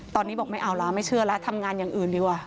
ตอนนี้บอกไม่เอาละไม่เชื่อแล้วทำงานอย่างอื่นดีกว่า